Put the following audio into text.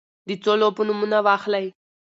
د څو لوبو نومونه واخلی ؟